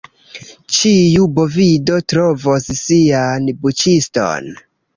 Ĉiu bovido trovos sian buĉiston.